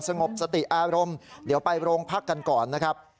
งบสติอารมณ์เดี๋ยวไปโรงพักกันก่อนนะครับ